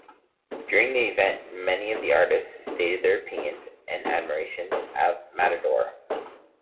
During the event Many of the artists stated their opinions and admiration of Matador.